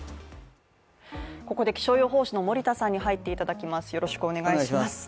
ここで気象予報士の森田さんに入っていただきます。